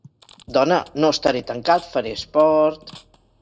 Dona, no estaré tancat, faré esport….